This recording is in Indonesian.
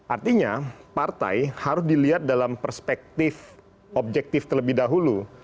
artinya partai harus dilihat dalam perspektif objektif terlebih dahulu